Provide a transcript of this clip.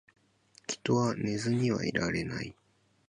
人は寝ずにはいられない